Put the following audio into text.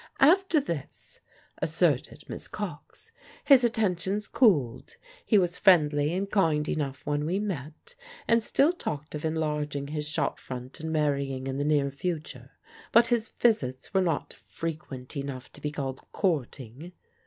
"After this," asserted Miss Cox, "his attentions cooled. He was friendly and kind enough when we met, and still talked of enlarging his shop front and marrying in the near future. But his visits were not frequent enough to be called courting."